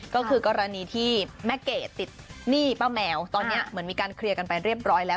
ก็คือกรณีที่แม่เกดติดหนี้ป้าแมวตอนนี้เหมือนมีการเคลียร์กันไปเรียบร้อยแล้ว